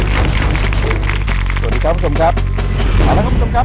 สวัสดีครับคุณผู้ชมครับเอาละครับคุณผู้ชมครับ